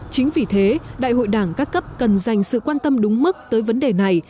chính vì thế đại hội đảng các cấp cần dành sự quan tâm đúng mức tới vấn đề này